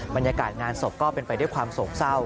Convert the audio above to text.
บรรยากาศงานศพก็เป็นไปด้วยความโศกเศร้า